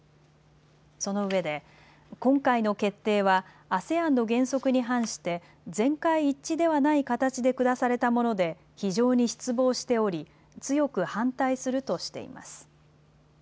そのうえで今回の決定はＡＳＥＡＮの原則に反して全会一致ではない形で下されたもので非常に失望しており強く反対するとしています。